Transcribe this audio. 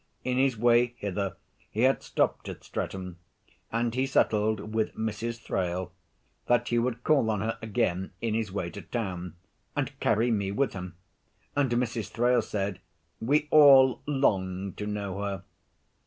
In his way hither he had stopped at Streatham, and he settled with Mrs. Thrale that he would call on her again in his way to town, and carry me with him! and Mrs. Thrale said, "We all long to know her."